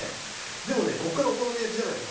でもねこっからお好み焼きじゃないの。